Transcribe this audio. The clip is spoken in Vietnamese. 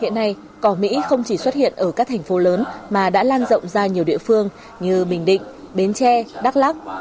hiện nay cỏ mỹ không chỉ xuất hiện ở các thành phố lớn mà đã lan rộng ra nhiều địa phương như bình định bến tre đắk lắc